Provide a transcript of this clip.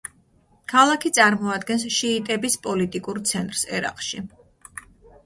ქალაქი წარმოადგენს შიიტების პოლიტიკურ ცენტრს ერაყში.